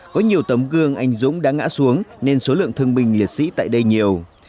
có nhiều tấm gương anh dũng đã ngã xuống nên số lượng thương binh liệt sĩ tại đây nhiều